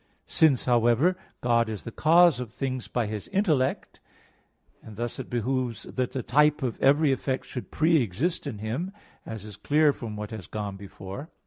Since, however, God is the cause of things by His intellect, and thus it behooves that the type of every effect should pre exist in Him, as is clear from what has gone before (Q.